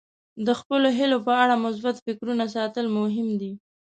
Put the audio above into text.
د خپلو هیلو په اړه مثبت فکرونه ساتل مهم دي.